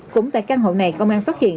cũng tại căn hộ này công an phát hiện